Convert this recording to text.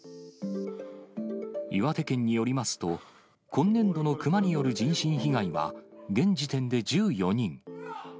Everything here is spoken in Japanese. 岩手県によりますと、今年度の熊による人身被害は、現時点で１４人。